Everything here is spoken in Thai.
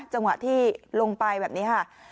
จังหวะที่ลงไปแบบนี้ค่ะ